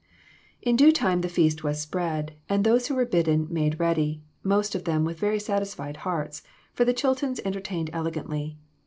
In due time the feast was spread, and those who were bidden made ready, most of them with very satisfied hearts, for the Chiltons entertained elegantly.